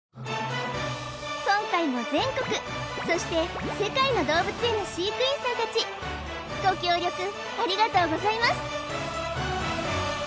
今回も全国そして世界の動物園の飼育員さんたちご協力ありがとうございます